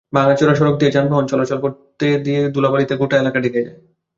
ভাঙাচোরা সড়ক দিয়ে যানবাহন চলাচল করতে গিয়ে ধুলাবালিতে গোটা এলাকা ঢেকে যায়।